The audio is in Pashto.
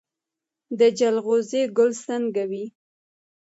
د جلغوزي ګل څنګه وي؟